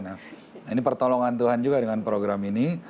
nah ini pertolongan tuhan juga dengan program ini